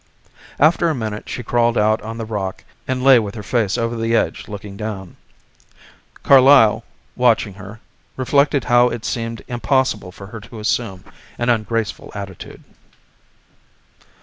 After a minute she crawled out on the rock and lay with her face over the edge looking down. Carlyle, watching her, reflected how it seemed impossible for her to assume an ungraceful attitude.